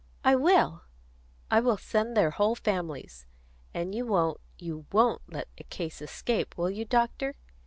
I will I will send their whole families. And you won't, you won't let a case escape, will you, doctor?"